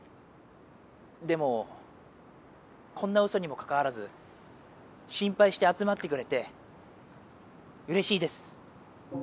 でもこんなうそにもかかわらず心ぱいしてあつまってくれてうれしいです。